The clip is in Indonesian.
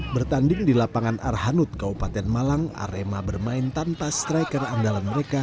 bertanding di lapangan arhanud kabupaten malang arema bermain tanpa striker andalan mereka